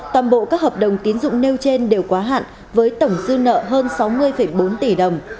toàn bộ các hợp đồng tín dụng nêu trên đều quá hạn với tổng dư nợ hơn sáu mươi bốn tỷ đồng